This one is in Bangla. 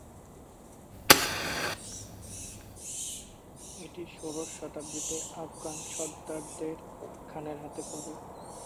এটি ষোড়শ শতাব্দীতে আফগান সর্দার শের খানের হাতে পড়ে।